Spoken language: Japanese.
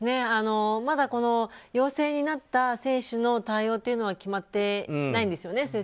まだ陽性になった選手の対応というのは決まってないんですよね